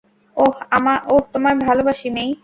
ওহ, তোমায় ভালোবাসি, মেই।